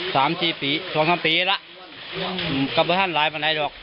สามสี่ปีสองสามปีแล้วกับพระท่านร้ายพระนายดอก